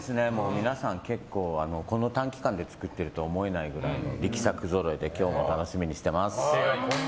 皆さん結構この短期間で作ってるとは思えないくらいの力作ぞろいで今日も楽しみにしています。